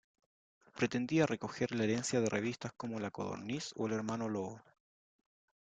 Pretendía recoger la herencia de revistas como "La Codorniz" o "El hermano lobo".